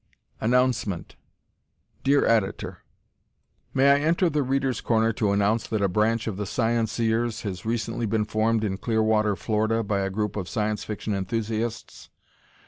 Announcement Dear Editor: May I enter "The Readers' Corner" to announce that a branch of The Scienceers has recently been formed in Clearwater, Florida, by a group of Science Fiction enthusiasts?